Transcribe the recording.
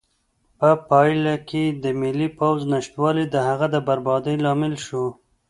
په پایله کې د ملي پوځ نشتوالی د هغه د بربادۍ لامل شو.